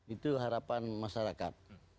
itu harapan masyarakat